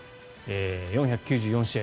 ４９４試合